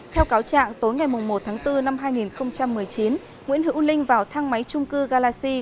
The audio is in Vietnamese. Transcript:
theo cáo trạng tối ngày một tháng bốn năm hai nghìn một mươi chín nguyễn hữu linh vào thang máy trung cư galaxy